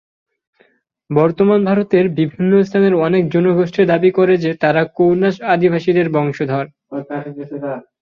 বর্তমান ভারতের বিভিন্ন স্থানের অনেক জনগোষ্ঠী দাবী করে যে তারা কনৌজ অভিবাসীদের বংশধর।